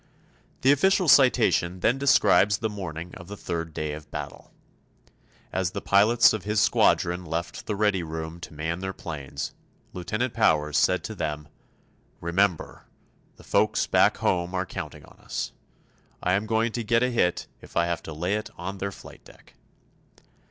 The official citation then describes the morning of the third day of battle. As the pilots of his squadron left the ready room to man their planes, Lieutenant Powers said to them, "Remember, the folks back home are counting on us. I am going to get a hit if I have to lay it on their flight deck.